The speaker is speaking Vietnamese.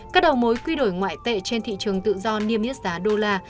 các đầu mối quy đổi ngoại tệ trên thị trường tự do niêm yết giá đô la